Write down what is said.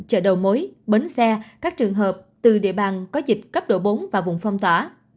chợ đầu mối bến xe các trường hợp từ địa bàn có dịch cấp độ bốn và vùng phong tỏa